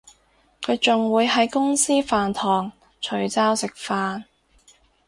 佢仲會喺公司飯堂除罩食飯